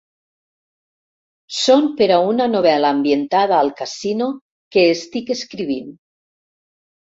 Són per a una novel.la ambientada al casino que estic escrivint.